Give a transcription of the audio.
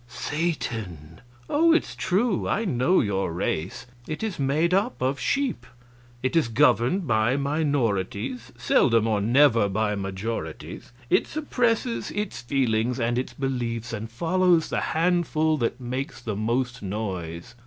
"Satan!" "Oh, it's true. I know your race. It is made up of sheep. It is governed by minorities, seldom or never by majorities. It suppresses its feelings and its beliefs and follows the handful that makes the most noise.